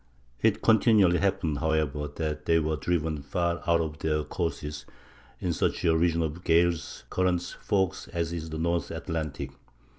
] It continually happened, however, that they were driven far out of their courses, in such a region of gales, currents, and fogs as is the North Atlantic.